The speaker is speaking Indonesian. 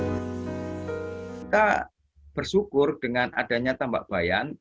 kita bersyukur dengan adanya tambak bayan